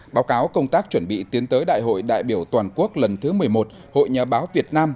báo cáo công tác chuẩn bị tiến tới đại hội đại biểu toàn quốc lần thứ một mươi một hội nhà báo việt nam